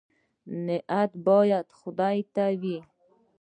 نیت باید خدای ته وي